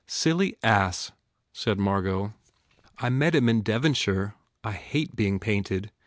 "Silly ass," said Margot, "I met him in Devon shire. I hate being painted.